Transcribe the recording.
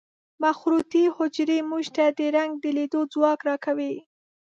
مخروطي حجرې موږ ته د رنګ د لیدلو ځواک را کوي.